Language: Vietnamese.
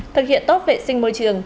thực hiện tốt vệ sinh môi trường